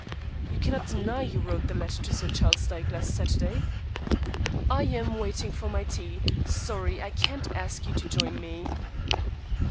"You cannot deny you wrote that letter to Sir Charles Dyke last Saturday?" "I am waiting for my tea. Sorry I can't ask you to join me."